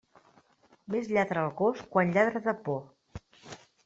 Més lladra el gos quan lladra de por.